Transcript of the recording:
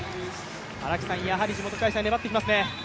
やはり地元開催、粘ってきますね。